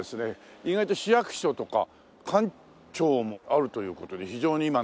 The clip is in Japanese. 意外と市役所とか官庁もあるという事で非常に今ね